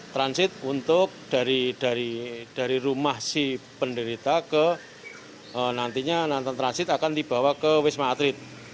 transit untuk dari rumah si penderita ke nantinya nonton transit akan dibawa ke wisma atlet